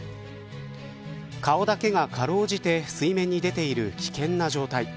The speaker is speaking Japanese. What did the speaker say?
顔だけが辛うじて水面に出ている危険な状態。